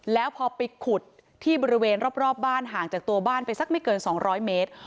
แล้วพอไปขุดที่บริเวณรอบบ้านห่างจากตัวบ้านไปสักไม่เกิน๒๐๐เมตร